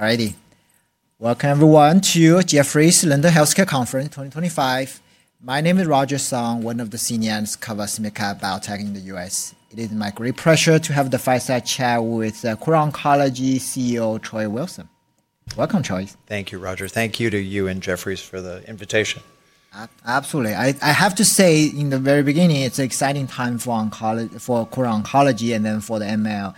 All righty. Welcome, everyone, to Jefferies London Healthcare Conference 2025. My name is Roger Song, one of the senior analysts covering SMID-cap biotech in the U.S. It is my great pleasure to have the fireside chat with Kura Oncology CEO, Troy Wilson. Welcome, Troy. Thank you, Roger. Thank you to you and Jefferies for the invitation. Absolutely. I have to say, in the very beginning, it's an exciting time for oncology, for Kura Oncology, and then for the AML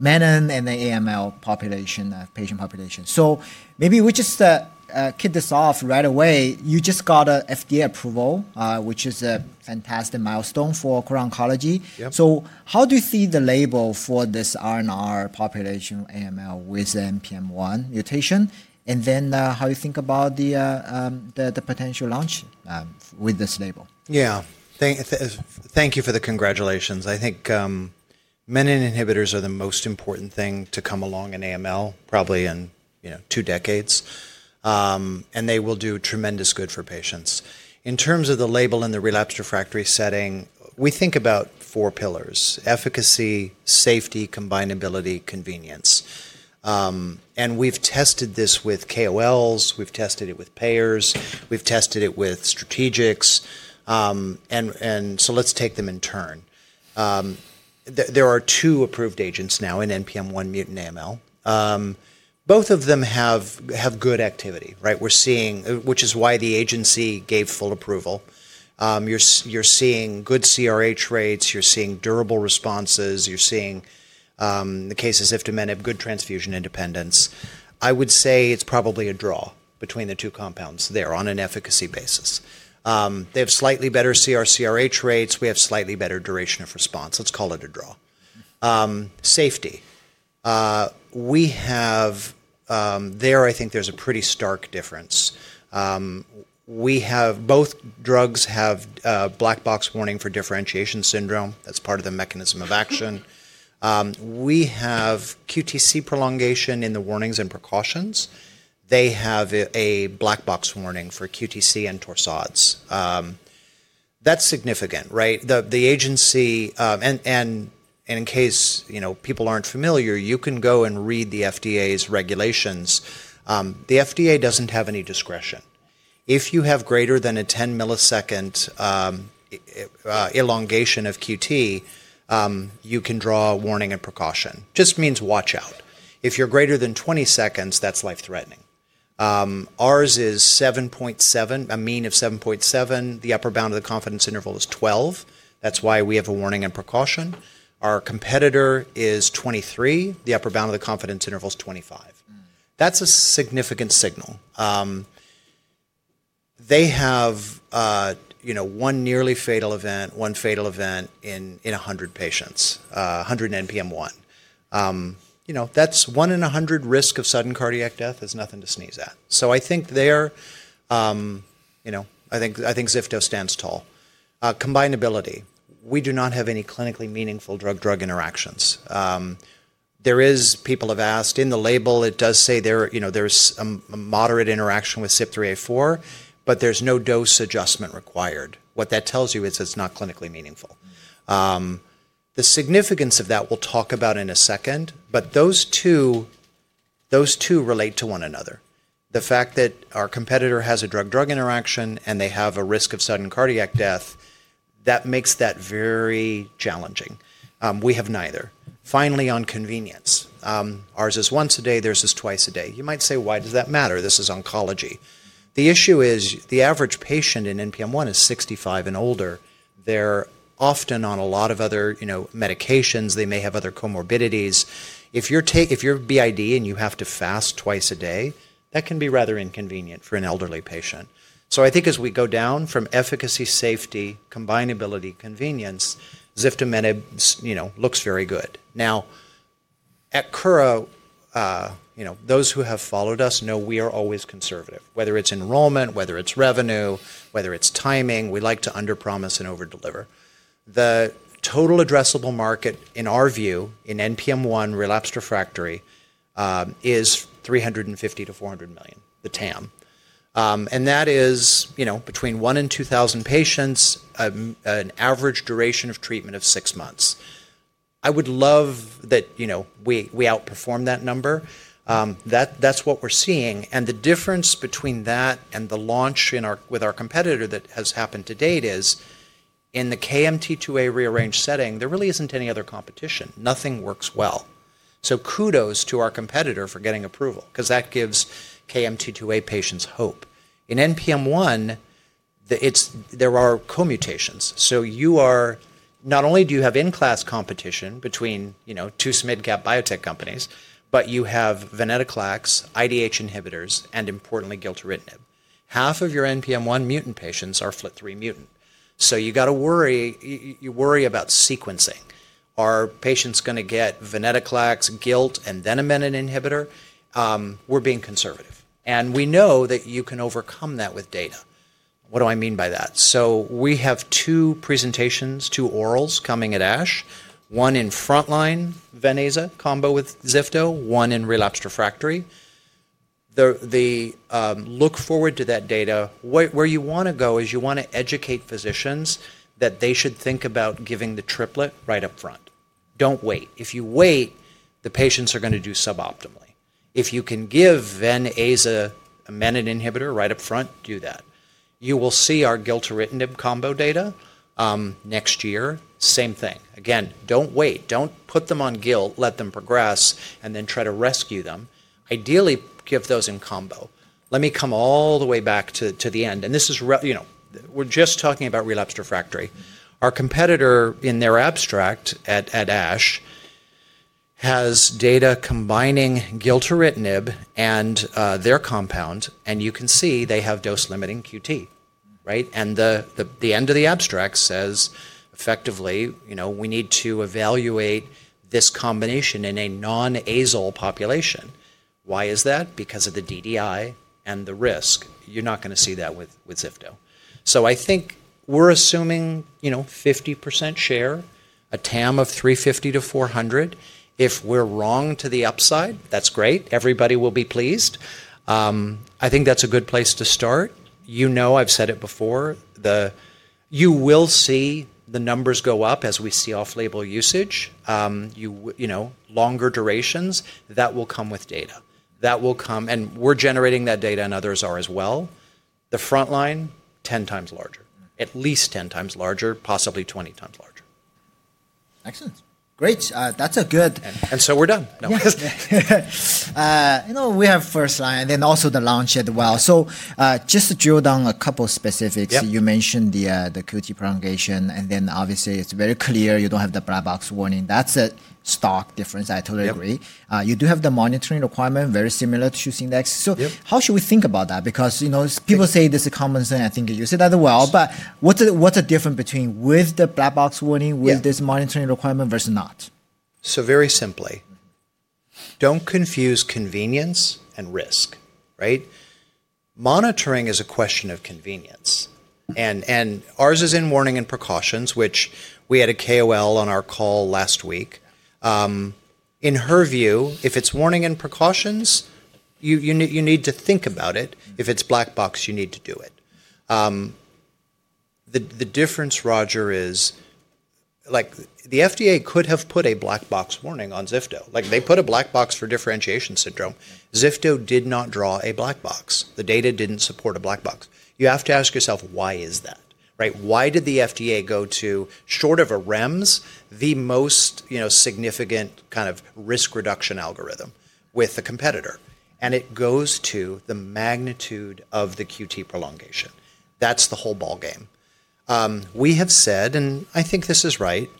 menin and the AML population, patient population. So maybe we just kick this off right away. You just got an FDA approval, which is a fantastic milestone for Kura Oncology. So how do you see the label for this R/R population, AML with the NPM1 mutation? And then how do you think about the potential launch with this label? Yeah. Thank you for the congratulations. I think menin inhibitors are the most important thing to come along in AML, probably in two decades. And they will do tremendous good for patients. In terms of the label in the relapsed/refractory setting, we think about four pillars: efficacy, safety, combinability, convenience. And we've tested this with KOLs. We've tested it with payers. We've tested it with strategics. And so let's take them in turn. There are two approved agents now in NPM1 mutant AML. Both of them have good activity, right? We're seeing, which is why the agency gave full approval. You're seeing good CRH rates. You're seeing durable responses. You're seeing the cases if the men have good transfusion independence. I would say it's probably a draw between the two compounds there on an efficacy basis. They have slightly better CR/CRh rates. We have slightly better duration of response. Let's call it a draw. Safety. There, I think there's a pretty stark difference. Both drugs have a black box warning for differentiation syndrome. That's part of the mechanism of action. We have QTC prolongation in the warnings and precautions. They have a black box warning for QTC and torsades. That's significant, right? The agency, and in case people aren't familiar, you can go and read the FDA's regulations. The FDA doesn't have any discretion. If you have greater than a 10-ms elongation of QT, you can draw a warning and precaution. Just means watch out. If you're greater than 20 seconds, that's life-threatening. Ours is 7.7 ms, a mean of 7.7 ms. The upper bound of the confidence interval is 12 ms. That's why we have a warning and precaution. Our competitor is 23 ms. The upper bound of the confidence interval is 25 ms. That's a significant signal. They have one nearly fatal event, one fatal event in 100 patients, 100 in NPM1. That's one in 100 risk of sudden cardiac death. There's nothing to sneeze at. So I think they are, I think zifto stands tall. Combinability. We do not have any clinically meaningful drug-drug interactions. There is, people have asked in the label, it does say there's a moderate interaction with CYP3A4, but there's no dose adjustment required. What that tells you is it's not clinically meaningful. The significance of that we'll talk about in a second, but those two relate to one another. The fact that our competitor has a drug-drug interaction and they have a risk of sudden cardiac death, that makes that very challenging. We have neither. Finally, on convenience. Ours is once a day. Theirs is twice a day. You might say, why does that matter? This is oncology. The issue is the average patient in NPM1 is 65 and older. They're often on a lot of other medications. They may have other comorbidities. If you're BID and you have to fast twice a day, that can be rather inconvenient for an elderly patient. So I think as we go down from efficacy, safety, combinability, convenience, ziftomenib looks very good. Now, at Kura, those who have followed us know we are always conservative, whether it's enrollment, whether it's revenue, whether it's timing. We like to underpromise and overdeliver. The total addressable market, in our view, in NPM1 relapsed/refractory is $350 million-$400 million, the TAM. And that is between one and 2,000 patients, an average duration of treatment of six months. I would love that we outperform that number. That's what we're seeing. And the difference between that and the launch with our competitor that has happened to date is in the KMT2A rearranged setting, there really isn't any other competition. Nothing works well. So kudos to our competitor for getting approval because that gives KMT2A patients hope. In NPM1, there are co-mutations. So not only do you have in-class competition between two SMID-cap biotech companies, but you have venetoclax, IDH inhibitors, and importantly, gilteritinib. Half of your NPM1 mutant patients are FLT3 mutant. So you got to worry. You worry about sequencing. Are patients going to get venetoclax, gilt, and then a menin inhibitor? We're being conservative. And we know that you can overcome that with data. What do I mean by that? So we have two presentations, two orals coming at ASH, one in frontline ven/aza combo with zifto, one in relapsed/refractory. Look forward to that data. Where you want to go is you want to educate physicians that they should think about giving the triplet right up front. Don't wait. If you wait, the patients are going to do suboptimally. If you can give ven/aza a menin inhibitor right up front, do that. You will see our gilteritinib combo data next year. Same thing. Again, don't wait. Don't put them on gilt. Let them progress and then try to rescue them. Ideally, give those in combo. Let me come all the way back to the end. We're just talking about relapsed/refractory. Our competitor in their abstract at ASH has data combining gilteritinib and their compound, and you can see they have dose-limiting QT, right? The end of the abstract says effectively, we need to evaluate this combination in a non-ASOL population. Why is that? Because of the DDI and the risk. You're not going to see that with zifto. So I think we're assuming 50% share, a TAM of $350 million-$400 million. If we're wrong to the upside, that's great. Everybody will be pleased. I think that's a good place to start. You know I've said it before. You will see the numbers go up as we see off-label usage, longer durations. That will come with data. And we're generating that data, and others are as well. The frontline, 10 times larger, at least 10 times larger, possibly 20 times larger. Excellent. Great. That's a good. And so we're done. We have first line and then also the launch as well. So just to drill down a couple of specifics, you mentioned the QT prolongation, and then obviously it's very clear you don't have the black box warning. That's a stark difference. I totally agree. You do have the monitoring requirement, very similar to [Hughes] index. So how should we think about that? Because people say this is common sense. I think you said that as well. But what's the difference between with the black box warning, with this monitoring requirement versus not? So very simply, don't confuse convenience and risk, right? Monitoring is a question of convenience. And ours is in warning and precautions, which we had a KOL on our call last week. In her view, if it's warning and precautions, you need to think about it. If it's black box, you need to do it. The difference, Roger, is the FDA could have put a black box warning on zifto. They put a black box for differentiation syndrome. Zifto did not draw a black box. The data didn't support a black box. You have to ask yourself, why is that? Why did the FDA go to short of a REMS, the most significant kind of risk reduction algorithm with the competitor? And it goes to the magnitude of the QT prolongation. That's the whole ballgame. We have said, and I think this is right,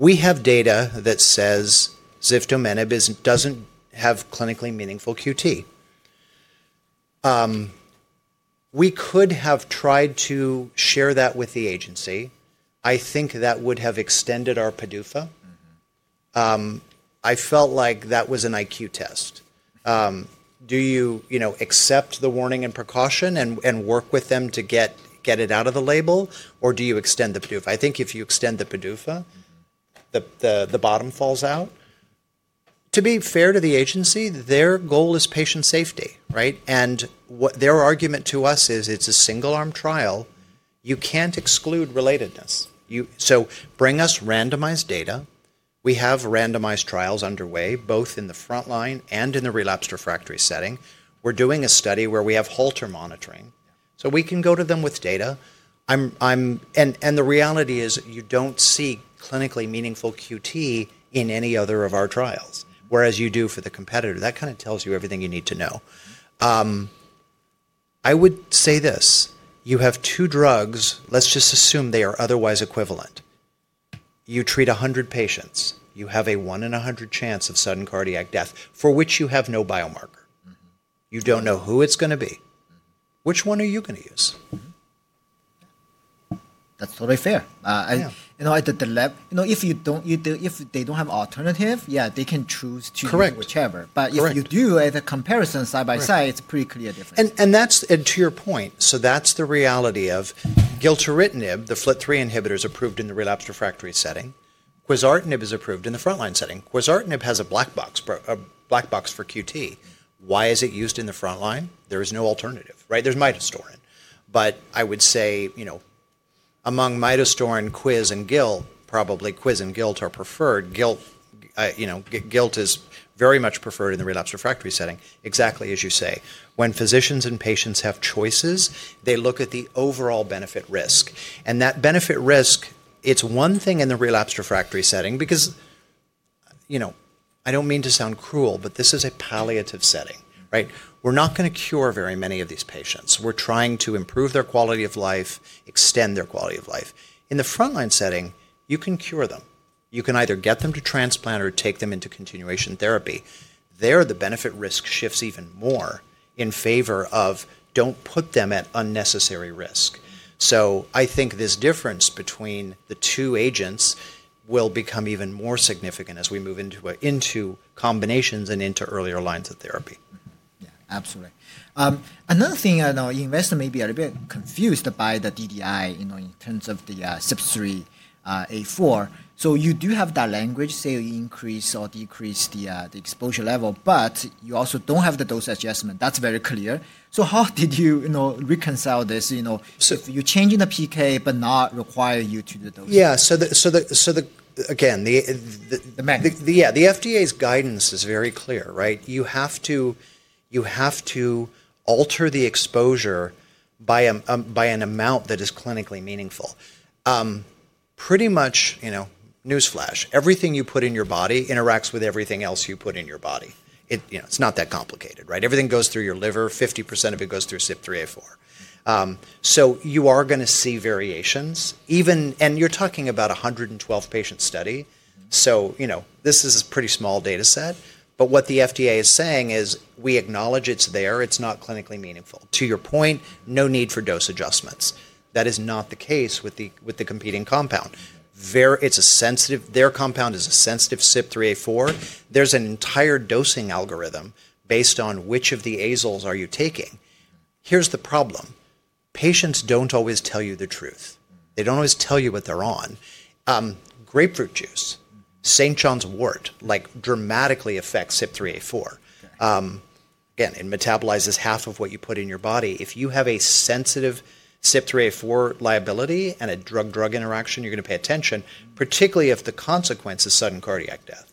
we have data that says ziftomenib doesn't have clinically meaningful QT. We could have tried to share that with the agency. I think that would have extended our PDUFA. I felt like that was an IQ test. Do you accept the warning and precaution and work with them to get it out of the label, or do you extend the PDUFA? I think if you extend the PDUFA, the bottom falls out. To be fair to the agency, their goal is patient safety, right? And their argument to us is it's a single-arm trial. You can't exclude relatedness. So bring us randomized data. We have randomized trials underway, both in the frontline and in the relapsed/refractory setting. We're doing a study where we have Holter monitoring. So we can go to them with data. And the reality is you don't see clinically meaningful QT in any other of our trials, whereas you do for the competitor. That kind of tells you everything you need to know. I would say this. You have two drugs. Let's just assume they are otherwise equivalent. You treat 100 patients. You have a one in 100 chance of sudden cardiac death for which you have no biomarker. You don't know who it's going to be. Which one are you going to use? That's totally fair. If they don't have an alternative, yeah, they can choose to do whichever. But if you do as a comparison side by side, it's a pretty clear difference. And to your point, so that's the reality of gilteritinib, the FLT3 inhibitors approved in the relapsed/refractory setting. Quizartinib is approved in the frontline setting. Quizartinib has a black box for QT. Why is it used in the frontline? There is no alternative, right? There's midostaurin. But I would say among midostaurin, quiz, and gil, probably quiz and gilt are preferred. Gilt is very much preferred in the relapsed/refractory setting, exactly as you say. When physicians and patients have choices, they look at the overall benefit-risk. And that benefit-risk, it's one thing in the relapsed/refractory setting because I don't mean to sound cruel, but this is a palliative setting, right? We're not going to cure very many of these patients. We're trying to improve their quality of life, extend their quality of life. In the frontline setting, you can cure them. You can either get them to transplant or take them into continuation therapy. There, the benefit-risk shifts even more in favor of don't put them at unnecessary risk. So I think this difference between the two agents will become even more significant as we move into combinations and into earlier lines of therapy. Yeah, absolutely. Another thing, investors may be a little bit confused by the DDI in terms of the CYP3A4. So you do have that language say increase or decrease the exposure level, but you also don't have the dose adjustment. That's very clear. So how did you reconcile this? You're changing the PK, but not require you to do the dose. Yeah. So again, yeah, the FDA's guidance is very clear, right? You have to alter the exposure by an amount that is clinically meaningful. Pretty much newsflash. Everything you put in your body interacts with everything else you put in your body. It's not that complicated, right? Everything goes through your liver. 50% of it goes through CYP3A4. So you are going to see variations. And you're talking about a 112-patient study. So this is a pretty small data set. But what the FDA is saying is we acknowledge it's there. It's not clinically meaningful. To your point, no need for dose adjustments. That is not the case with the competing compound. Their compound is a sensitive CYP3A4. There's an entire dosing algorithm based on which of the ASOLs are you taking. Here's the problem. Patients don't always tell you the truth. They don't always tell you what they're on. Grapefruit juice, St. John's wort, like dramatically affects CYP3A4. Again, it metabolizes half of what you put in your body. If you have a sensitive CYP3A4 liability and a drug-drug interaction, you're going to pay attention, particularly if the consequence is sudden cardiac death.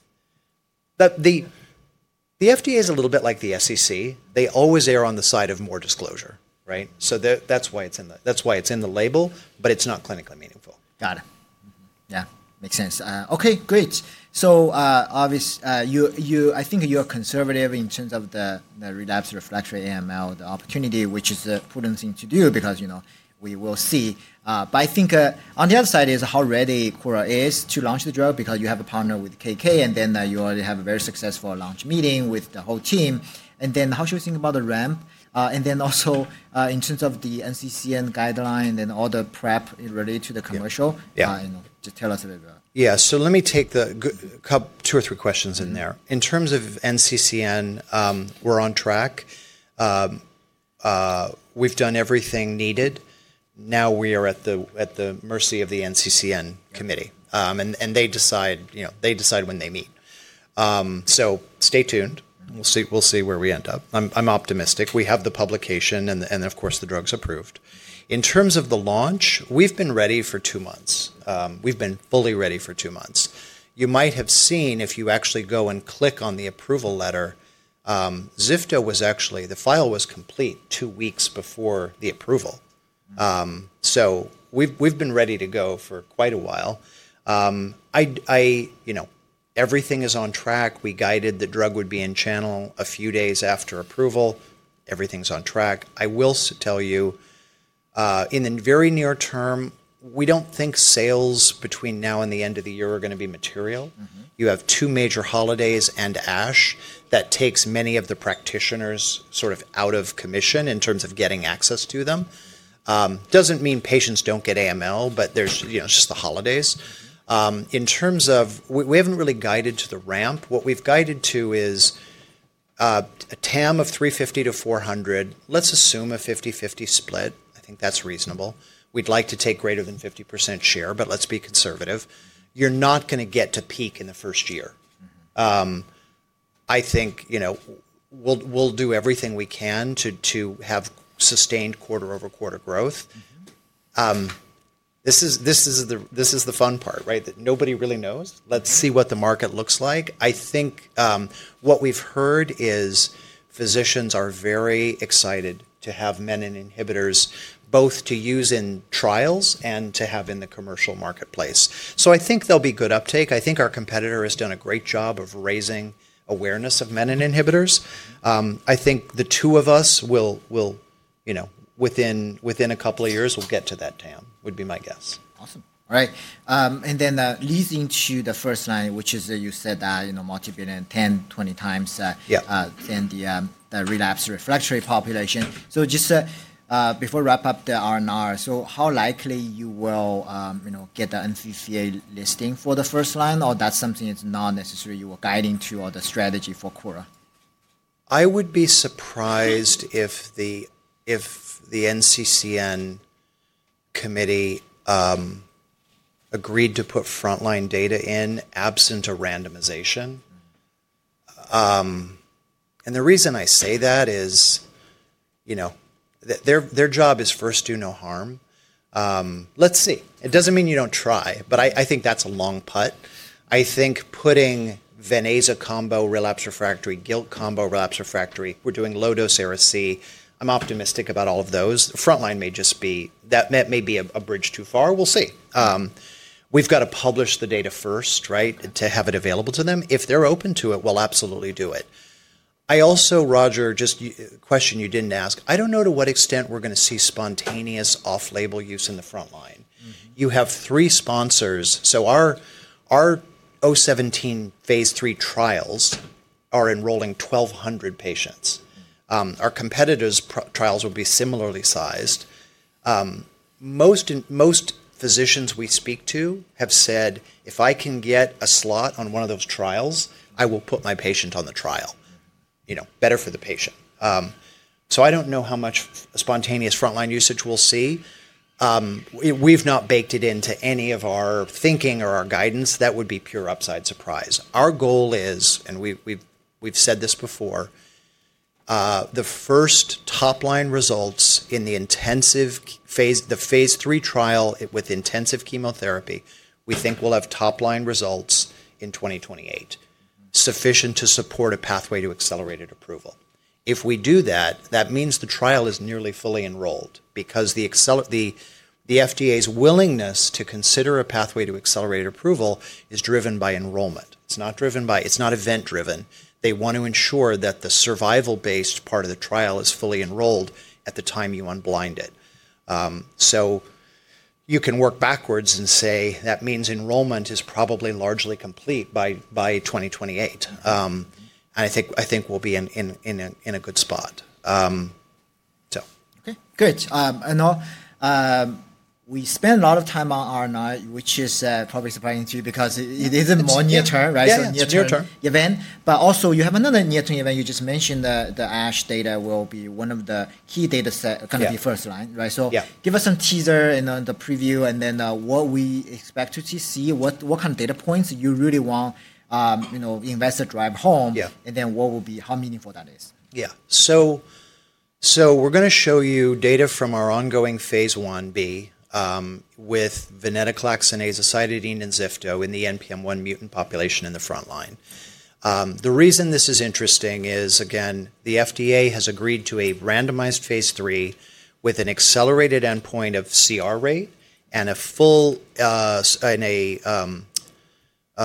The FDA is a little bit like the SEC. They always err on the side of more disclosure, right? So that's why it's in the label, but it's not clinically meaningful. Got it. Yeah, makes sense. Okay, great. So I think you are conservative in terms of the relapsed/refractory AML, the opportunity, which is the prudent thing to do because we will see. But I think on the other side is how ready Kura is to launch the drug because you have a partner with KK, and then you already have a very successful launch meeting with the whole team. And then how should we think about the REMP? And then also in terms of the NCCN guideline and all the prep related to the commercial, just tell us a little bit. Yeah. So let me take two or three questions in there. In terms of NCCN, we're on track. We've done everything needed. Now we are at the mercy of the NCCN committee, and they decide when they meet. So stay tuned. We'll see where we end up. I'm optimistic. We have the publication and, of course, the drug's approved. In terms of the launch, we've been ready for two months. We've been fully ready for two months. You might have seen if you actually go and click on the approval letter, zifto was actually, the file was complete two weeks before the approval. So we've been ready to go for quite a while. Everything is on track. We guided the drug would be in channel a few days after approval. Everything's on track. I will tell you, in the very near term, we don't think sales between now and the end of the year are going to be material. You have two major holidays and ASH that takes many of the practitioners sort of out of commission in terms of getting access to them. Doesn't mean patients don't get AML, but there's just the holidays. In terms of we haven't really guided to the REMP. What we've guided to is a TAM of $350 miilion-$400 million. Let's assume a 50/50 split. I think that's reasonable. We'd like to take greater than 50% share, but let's be conservative. You're not going to get to peak in the first year. I think we'll do everything we can to have sustained quarter-over-quarter growth. This is the fun part, right? That nobody really knows. Let's see what the market looks like. I think what we've heard is physicians are very excited to have menin inhibitors both to use in trials and to have in the commercial marketplace. So I think there'll be good uptake. I think our competitor has done a great job of raising awareness of menin inhibitors. I think the two of us, within a couple of years, we'll get to that TAM, would be my guess. Awesome. All right. And then leading to the first line, which is you said multibillion, 10x, 20x in the relapsed/refractory population. So just before we wrap up the RNR, so how likely you will get the NCCN listing for the first line? Or that's something it's not necessarily you were guiding to or the strategy for Kura? I would be surprised if the NCCN committee agreed to put frontline data in absent a randomization. And the reason I say that is their job is first do no harm. Let's see. It doesn't mean you don't try, but I think that's a long putt. I think putting ven/aza combo relapsed/refractory, gilt combo relapsed/refractory, we're doing low-dose Ara-C. I'm optimistic about all of those. Frontline may just be that may be a bridge too far. We'll see. We've got to publish the data first, right, to have it available to them. If they're open to it, we'll absolutely do it. I also, Roger, just a question you didn't ask. I don't know to what extent we're going to see spontaneous off-label use in the frontline. You have three sponsors. So our KOMET-017 phase III trials are enrolling 1,200 patients. Our competitors' trials will be similarly sized. Most physicians we speak to have said, "If I can get a slot on one of those trials, I will put my patient on the trial." Better for the patient. So I don't know how much spontaneous frontline usage we'll see. We've not baked it into any of our thinking or our guidance. That would be pure upside surprise. Our goal is, and we've said this before, the first top-line results in the phase III trial with intensive chemotherapy, we think we'll have top-line results in 2028, sufficient to support a pathway to accelerated approval. If we do that, that means the trial is nearly fully enrolled because the FDA's willingness to consider a pathway to accelerated approval is driven by enrollment. It's not event-driven. They want to ensure that the survival-based part of the trial is fully enrolled at the time you unblind it. So you can work backwards and say that means enrollment is probably largely complete by 2028. And I think we'll be in a good spot. Okay, good. And we spent a lot of time on RNR, which is probably surprising to you because it isn't more near-term, right? It's near-term. Event. But also you have another near-term event. You just mentioned the ASH data will be one of the key data set, going to be first line, right? So give us some teaser and the preview and then what we expect to see, what kind of data points you really want investors to drive home, and then how meaningful that is. Yeah. So we're going to show you data from our ongoing phase I-B with venetoclax, azacitidine, and zifto in the NPM1 mutant population in the frontline. The reason this is interesting is, again, the FDA has agreed to a randomized phase III with an accelerated endpoint of CR rate and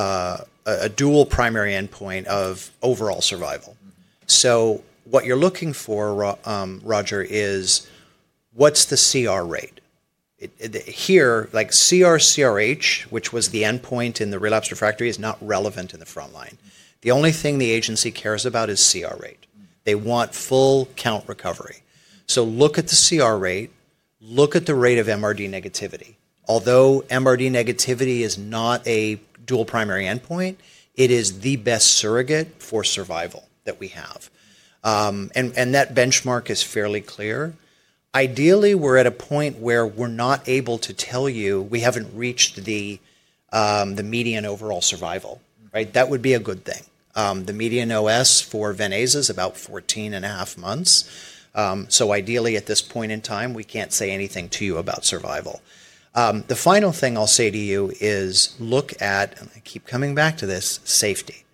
a dual primary endpoint of overall survival. So what you're looking for, Roger, is what's the CR rate? Here, CR/CRh, which was the endpoint in the relapsed/refractory, is not relevant in the frontline. The only thing the agency cares about is CR rate. They want full count recovery. So look at the CR rate. Look at the rate of MRD negativity. Although MRD negativity is not a dual primary endpoint, it is the best surrogate for survival that we have. And that benchmark is fairly clear. Ideally, we're at a point where we're not able to tell you we haven't reached the median overall survival, right? That would be a good thing. The median OS for ven/aza is about 14.5 months. So ideally, at this point in time, we can't say anything to you about survival. The final thing I'll say to you is look at, and I keep coming back to this, safety,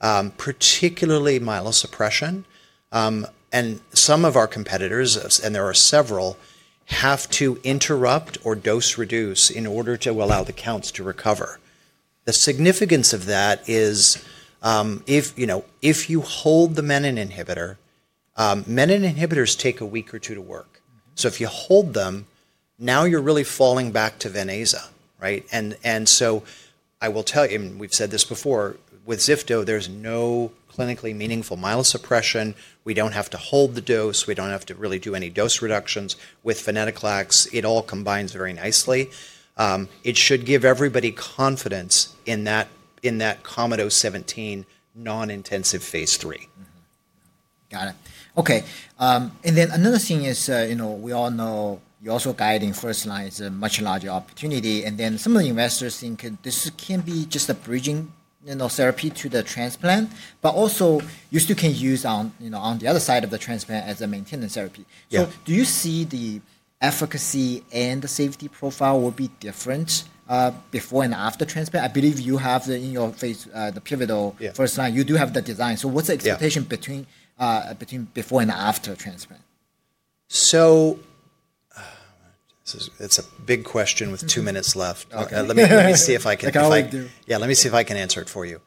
particularly myelosuppression. And some of our competitors, and there are several, have to interrupt or dose reduce in order to allow the counts to recover. The significance of that is if you hold the menin inhibitor, menin inhibitors take a week or two to work. So if you hold them, now you're really falling back to ven/aza, right? And so I will tell you, and we've said this before, with zifto, there's no clinically meaningful myelosuppression. We don't have to hold the dose. We don't have to really do any dose reductions. With venetoclax, it all combines very nicely. It should give everybody confidence in that common KOMET-017 non-intensive phase III. Got it. Okay. And then another thing is we all know you're also guiding first line is a much larger opportunity. And then some of the investors think this can be just a bridging therapy to the transplant, but also you still can use on the other side of the transplant as a maintenance therapy. So do you see the efficacy and the safety profile will be different before and after transplant? I believe you have in your phase, the pivotal first line, you do have the design. So what's the expectation between before and after transplant? So it's a big question with two minutes left. Let me see if I can. That's all right. Yeah, let me see if I can answer it for you.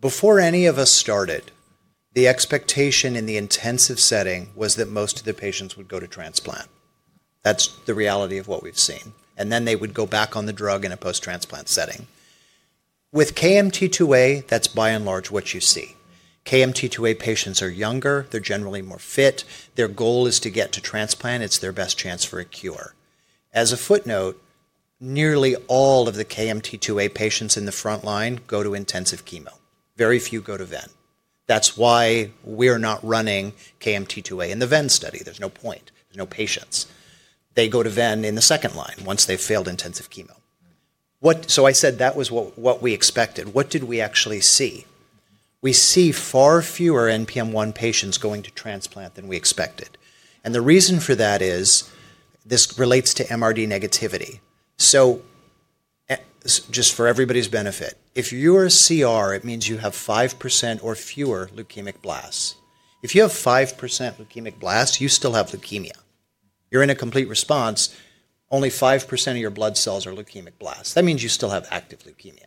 Before any of us started, the expectation in the intensive setting was that most of the patients would go to transplant. That's the reality of what we've seen. And then they would go back on the drug in a post-transplant setting. With KMT2A, that's by and large what you see. KMT2A patients are younger. They're generally more fit. Their goal is to get to transplant. It's their best chance for a cure. As a footnote, nearly all of the KMT2A patients in the frontline go to intensive chemo. Very few go to ven. That's why we're not running KMT2A in the ven study. There's no point. There's no patients. They go to ven in the second line once they've failed intensive chemo. So I said that was what we expected. What did we actually see? We see far fewer NPM1 patients going to transplant than we expected. And the reason for that is this relates to MRD negativity. So just for everybody's benefit, if you're a CR, it means you have 5% or fewer leukemic blasts. If you have 5% leukemic blasts, you still have leukemia. You're in a complete response. Only 5% of your blood cells are leukemic blasts. That means you still have active leukemia.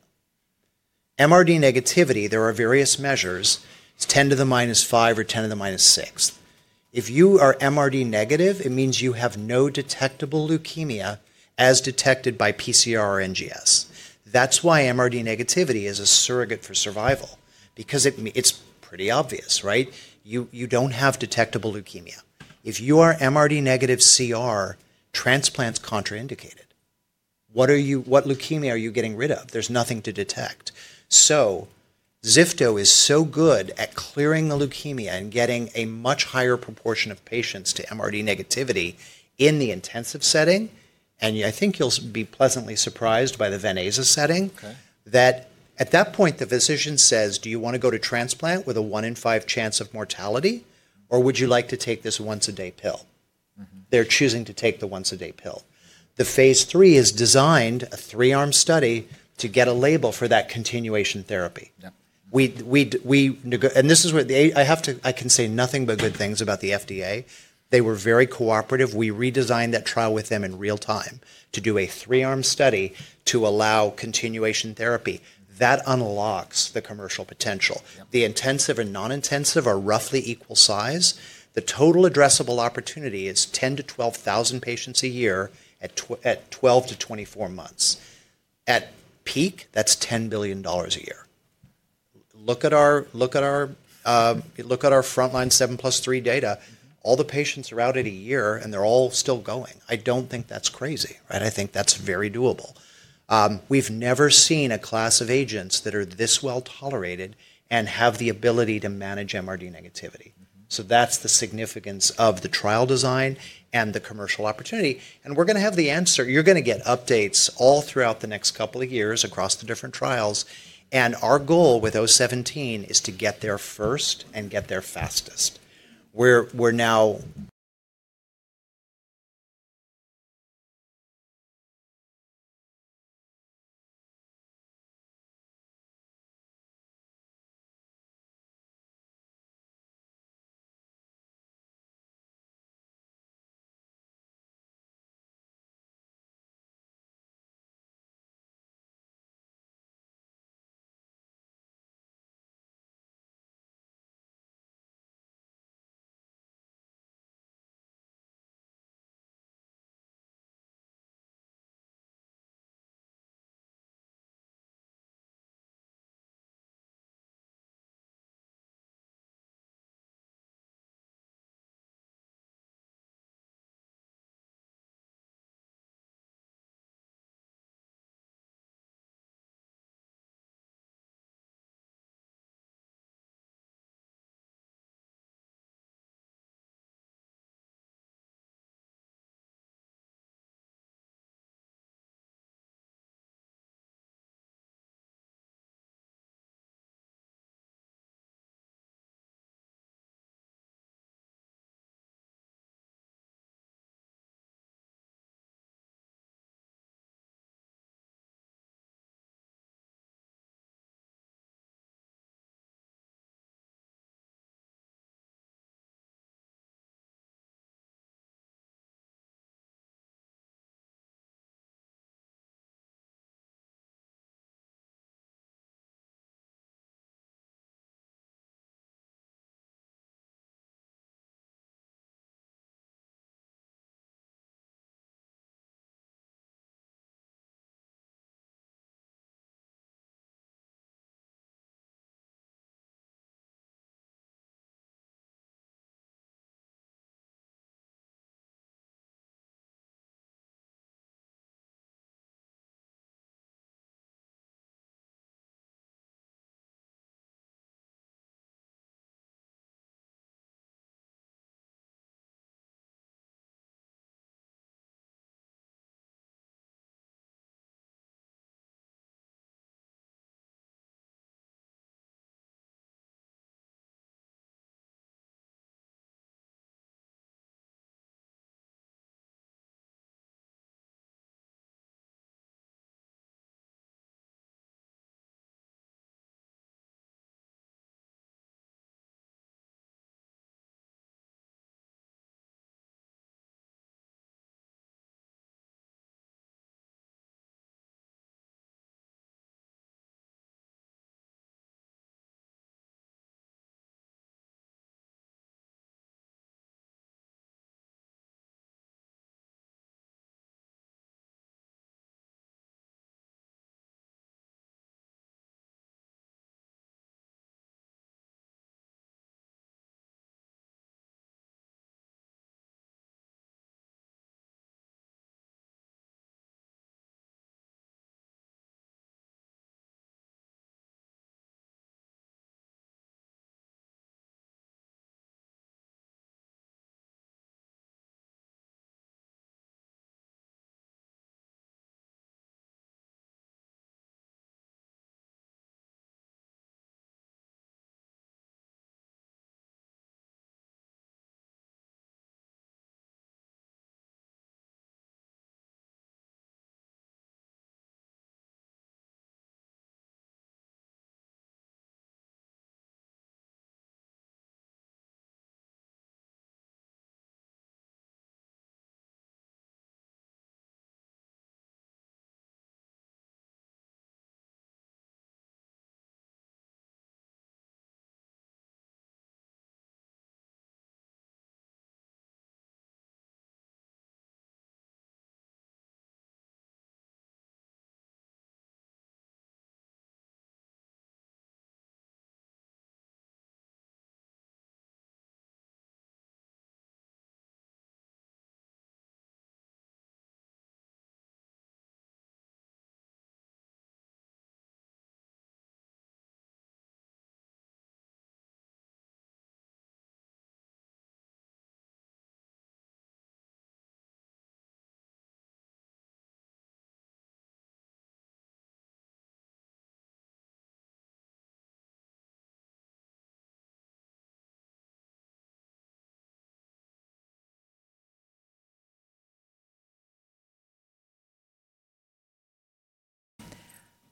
MRD negativity, there are various measures. It's 10 to -5 or 10 to -6. If you are MRD negative, it means you have no detectable leukemia as detected by PCR or NGS. That's why MRD negativity is a surrogate for survival because it's pretty obvious, right? You don't have detectable leukemia. If you are MRD negative CR, transplant's contraindicated. What leukemia are you getting rid of? There's nothing to detect. So zifto is so good at clearing the leukemia and getting a much higher proportion of patients to MRD negativity in the intensive setting. And I think you'll be pleasantly surprised by the ven/aza setting that at that point, the physician says, "Do you want to go to transplant with a one in five chance of mortality? Or would you like to take this once-a-day pill?" They're choosing to take the once-a-day pill. The phase III is designed, a three-arm study to get a label for that continuation therapy. And this is what I can say nothing but good things about the FDA. They were very cooperative. We redesigned that trial with them in real time to do a three-arm study to allow continuation therapy. That unlocks the commercial potential. The intensive and non-intensive are roughly equal size. The total addressable opportunity is 10 patients-12,000 patients a year at 12 months-24 months. At peak, that's $10 billion a year. Look at our frontline 7+3 data. All the patients are out at a year, and they're all still going. I don't think that's crazy, right? I think that's very doable. We've never seen a class of agents that are this well tolerated and have the ability to manage MRD negativity. So that's the significance of the trial design and the commercial opportunity. And we're going to have the answer. You're going to get updates all throughout the next couple of years across the different trials. And our goal with 017 is to get there first and get there fastest. We're now.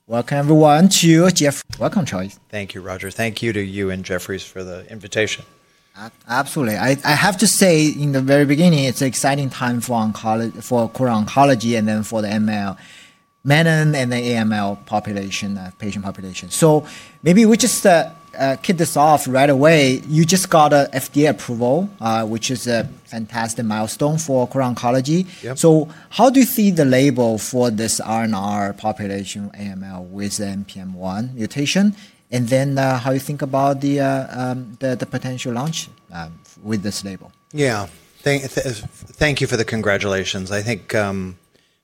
Welcome, everyone, to Jeff. Welcome, Troy. Thank you, Roger. Thank you to you and Jefferies for the invitation. Absolutely. I have to say in the very beginning, it's an exciting time for oncology, for oncology, and then for the ML, menin and the AML population, patient population. So maybe we just kick this off right away. You just got an FDA approval, which is a fantastic milestone for oncology. So how do you see the label for this RNR population AML with the NPM1 mutation? And then how do you think about the potential launch with this label? Yeah. Thank you for the congratulations. I think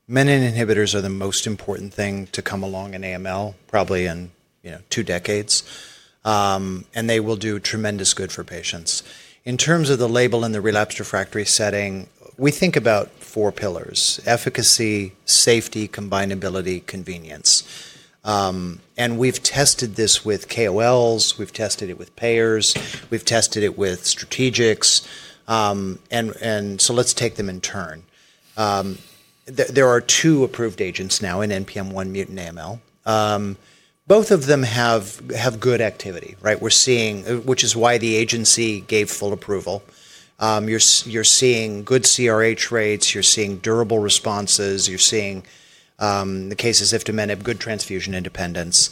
menin inhibitors are the most important thing to come along in AML, probably in two decades. And they will do tremendous good for patients. In terms of the label in the relapsed/refractory setting, we think about four pillars: efficacy, safety, combinability, convenience. And we've tested this with KOLs. We've tested it with payers. We've tested it with strategics. And so let's take them in turn. There are two approved agents now in NPM1 mutant AML. Both of them have good activity, right? Which is why the agency gave full approval. You're seeing good CRH rates. You're seeing durable responses. You're seeing the cases if the men have good transfusion independence.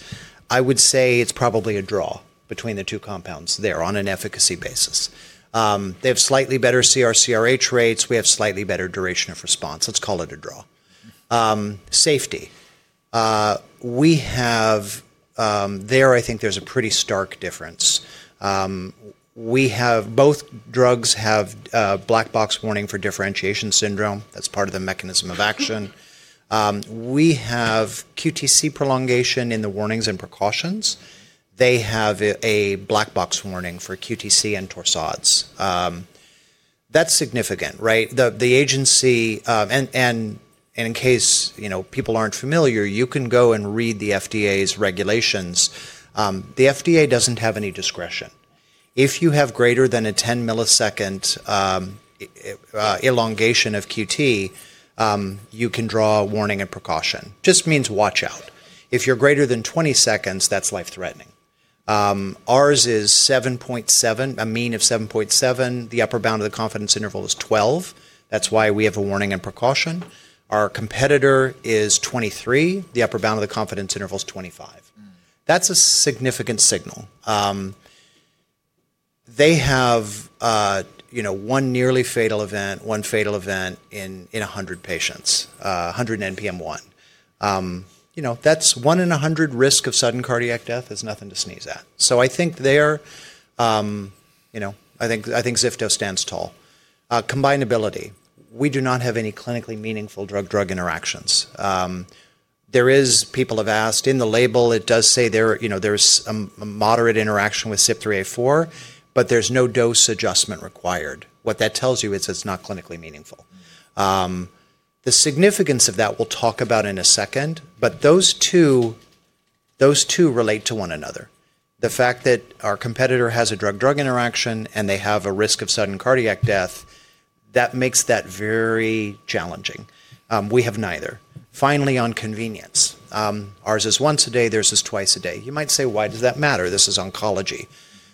I would say it's probably a draw between the two compounds there on an efficacy basis. They have slightly better CR/CRh rates. We have slightly better duration of response. Let's call it a draw. Safety. There, I think there's a pretty stark difference. Both drugs have black box warning for differentiation syndrome. That's part of the mechanism of action. We have QTC prolongation in the warnings and precautions. They have a black box warning for QTC and torsades. That's significant, right? And in case people aren't familiar, you can go and read the FDA's regulations. The FDA doesn't have any discretion. If you have greater than a 10-ms elongation of QT, you can draw a warning and precaution. Just means watch out. If you're greater than 20 seconds, that's life-threatening. Ours is 7.7 ms, a mean of 7.7 ms. The upper bound of the confidence interval is 12 ms. That's why we have a warning and precaution. Our competitor is 23 ms. The upper bound of the confidence interval is 25 ms. That's a significant signal. They have one nearly fatal event, one fatal event in 100 patients, 100 NPM1. That's one in 100 risk of sudden cardiac death. There's nothing to sneeze at. So I think they are I think zifto stands tall. Combinability. We do not have any clinically meaningful drug-drug interactions. There is people have asked in the label. It does say there's a moderate interaction with CYP3A4, but there's no dose adjustment required. What that tells you is it's not clinically meaningful. The significance of that we'll talk about in a second, but those two relate to one another. The fact that our competitor has a drug-drug interaction and they have a risk of sudden cardiac death, that makes that very challenging. We have neither. Finally, on convenience. Ours is once a day. Theirs is twice a day. You might say, "Why does that matter? This is oncology."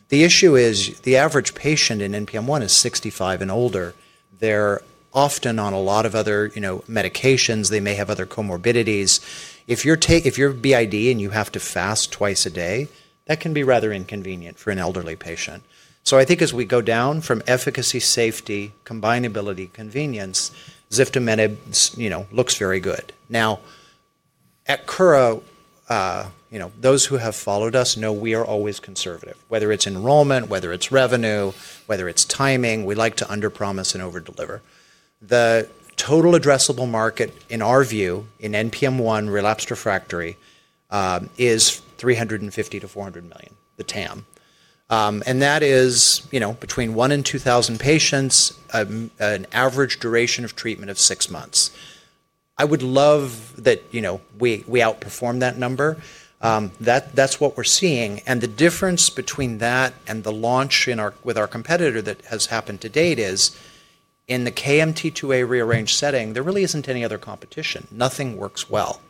The issue is the average patient in NPM1 is 65 and older. They're often on a lot of other medications. They may have other comorbidities. If you're BID and you have to fast twice a day, that can be rather inconvenient for an elderly patient. So I think as we go down from efficacy, safety, combinability, convenience, zifto looks very good. Now, at Kuro, those who have followed us know we are always conservative, whether it's enrollment, whether it's revenue, whether it's timing. We like to underpromise and overdeliver. The total addressable market, in our view, in NPM1 relapsed/refractory is $350 million-$400 million, the TAM. And that is between one and 2,000 patients, an average duration of treatment of six months. I would love that we outperform that number. That's what we're seeing. And the difference between that and the launch with our competitor that has happened to date is in the KMT2A rearranged setting, there really isn't any other competition. Nothing works well.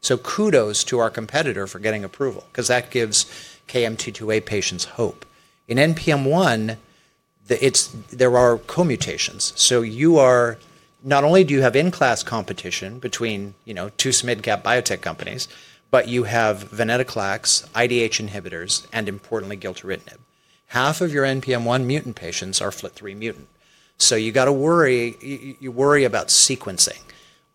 So kudos to our competitor for getting approval because that gives KMT2A patients hope. In NPM1, there are co-mutations. So not only do you have in-class competition between two SMID-cap biotech companies, but you have venetoclax, IDH inhibitors, and importantly, gilteritinib. Half of your NPM1 mutant patients are FLYT3 mutant. So you got to worry about sequencing.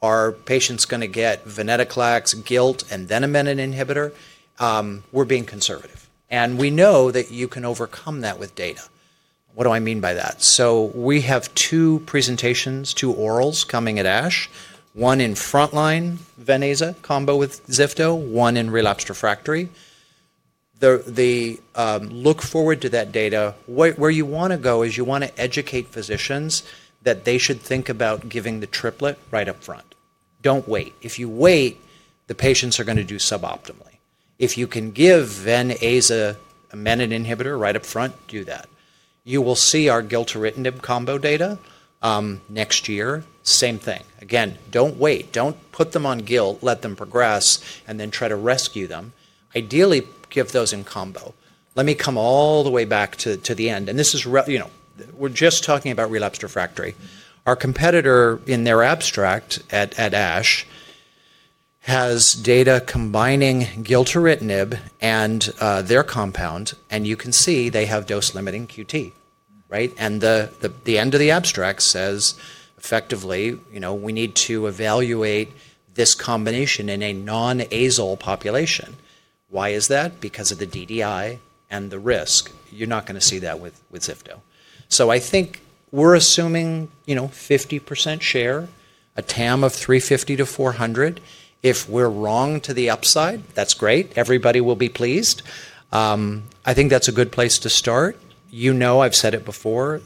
Are patients going to get venetoclax, gilt, and then a menin inhibitor? We're being conservative. And we know that you can overcome that with data. What do I mean by that? So we have two presentations, two orals coming at ASH, one in frontline ven/aza combo with zifto, one in relapsed/refractory. Look forward to that data. Where you want to go is you want to educate physicians that they should think about giving the triplet right up front. Don't wait. If you wait, the patients are going to do suboptimally. If you can give ven/aza a menin inhibitor right up front, do that. You will see our gilteritinib combo data next year. Same thing. Again, don't wait. Don't put them on gilt. Let them progress and then try to rescue them. Ideally, give those in combo. Let me come all the way back to the end. And we're just talking about relapsed/refractory. Our competitor in their abstract at ASH has data combining gilteritinib and their compound, and you can see they have dose-limiting QT, right? And the end of the abstract says effectively, we need to evaluate this combination in a non-ASOL population. Why is that? Because of the DDI and the risk. You're not going to see that with zifto. So I think we're assuming 50% share, a TAM of $350 million-$400 million. If we're wrong to the upside, that's great. Everybody will be pleased. I think that's a good place to start. You know I've said it before.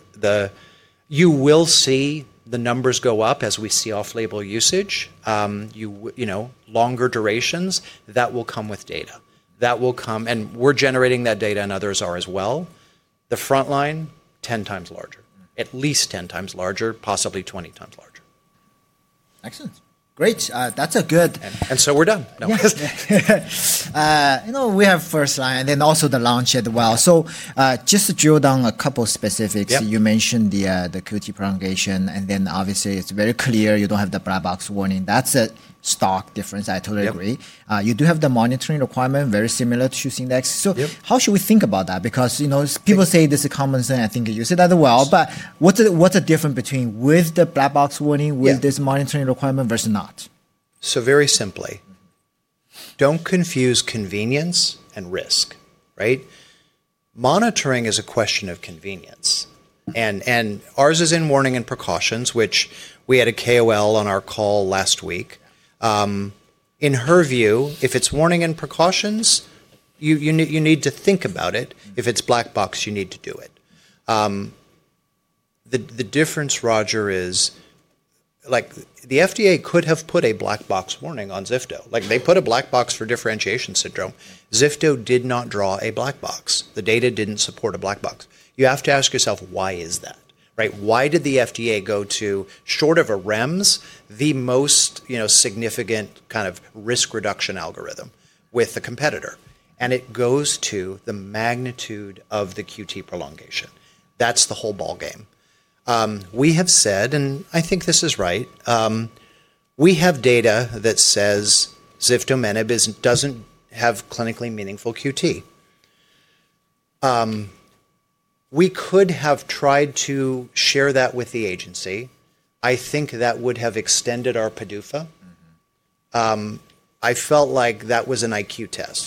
You will see the numbers go up as we see off-label usage, longer durations. That will come with data. And we're generating that data, and others are as well. The frontline, 10x larger, at least 10x larger, possibly 20x larger. Excellent. Great. That's a good. And so we're done. Yes. We have first line and then also the launch as well. So just to drill down a couple of specifics, you mentioned the QT prolongation, and then obviously it's very clear you don't have the black box warning. That's a stark difference. I totally agree. You do have the monitoring requirement, very similar to [Hughes] Index. So how should we think about that? Because people say this is a common thing. I think you said that well, but what's the difference between with the black box warning, with this monitoring requirement versus not? So very simply, don't confuse convenience and risk, right? Monitoring is a question of convenience. And ours is in warning and precautions, which we had a KOL on our call last week. In her view, if it's warning and precautions, you need to think about it. If it's black box, you need to do it. The difference, Roger, is the FDA could have put a black box warning on zifto. They put a black box for differentiation syndrome. Zifto did not draw a black box. The data didn't support a black box. You have to ask yourself, why is that? Why did the FDA go to short of a REMS, the most significant kind of risk reduction algorithm with the competitor? And it goes to the magnitude of the QT prolongation. That's the whole ballgame. We have said, and I think this is right, we have data that says ziftomenib doesn't have clinically meaningful QT. We could have tried to share that with the agency. I think that would have extended our PDUFA. I felt like that was an IQ test.